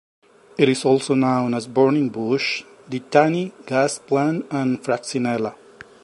It is also known as burning bush, dittany, gas plant, and fraxinella.